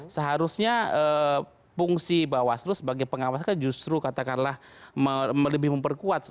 seharusnya fungsi bawaslu sebagai pengawas kan justru katakanlah lebih memperkuat